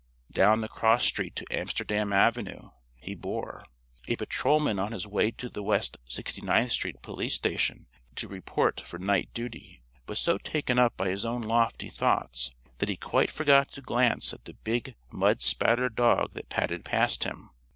Down the cross street to Amsterdam Avenue he bore. A patrolman on his way to the West Sixty ninth Street police station to report for night duty, was so taken up by his own lofty thoughts that he quite forgot to glance at the big mud spattered dog that padded past him.